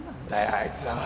あいつらは。